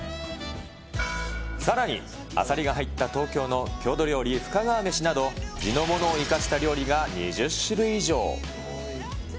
さらに、アサリが入った東京の郷土料理、深川めしなど、地のものを生かした料理が２０種類以上。